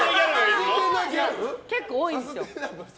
結構多いんですよ。